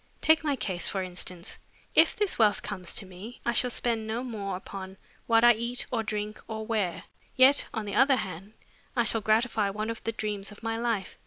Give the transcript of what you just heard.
Take my case, for instance. If this wealth comes to me, I shall spend no more upon what I eat or drink or wear, yet, on the other hand, I shall gratify one of the dreams of my life.